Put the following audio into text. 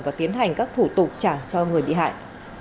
và tiến hành các thủ tục trả cho người bị hại